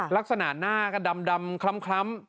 ลักษณะหน้าก็ดำคล้ำ